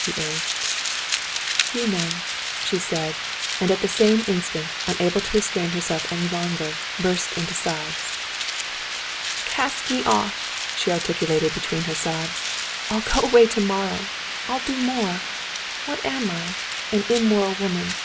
he urged. "You know," she said, and at the same instant, unable to restrain herself any longer, she burst into sobs. "Cast me off!" she articulated between her sobs. "I'll go away tomorrow ... I'll do more. What am I? An immoral woman!